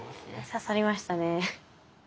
刺さりましたね。